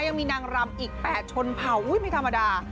ยังมีนางรำอีก๘ชนเผ่าไม่ธรรมดา